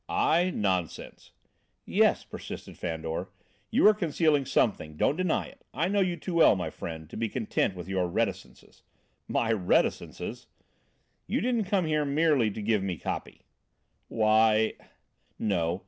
"I? Nonsense." "Yes," persisted Fandor. "You are concealing something. Don't deny it. I know you too well, my friend, to be content with your reticences." "My reticences?" "You didn't come here merely to give me copy." "Why " "No.